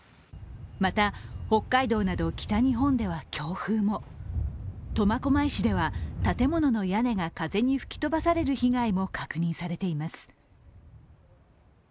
また、北海道など北日本では強風も苫小牧市では建物の屋根が風に吹き飛ばされる被害も確認されています。